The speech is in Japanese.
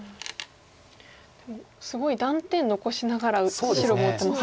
でもすごい断点残しながら白も打ってますね。